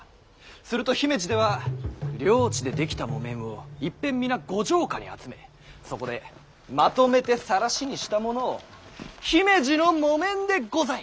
すると姫路では領地で出来た木綿をいっぺん皆ご城下に集めそこでまとめて晒しにしたものを「姫路の木綿でござい！